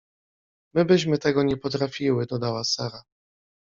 — My byśmy tego nie potrafiły — dodała Sara.